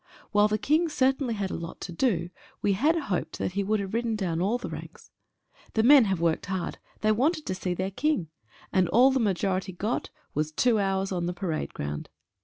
While the King cer tainly had a lot to do, we had hoped that he would have ridden down all the ranks. The men have worked hard, they wanted to see their King — and all the majority got was two hours on the parade ground.